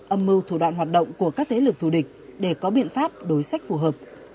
âm mưu thủ đoạn hoạt động của các thế lực thù địch để có biện pháp đối sách phù hợp